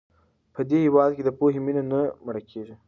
په دې هېواد کې د پوهې مینه نه مړه کېږي.